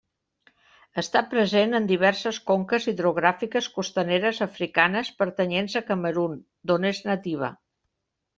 Està present en diverses conques hidrogràfiques costaneres africanes pertanyents a Camerun, d'on és nativa.